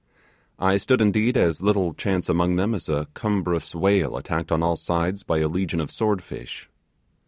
I stood indeed as little chance among them as a cumbrous whale attacked on all sides by a legion of swordfish.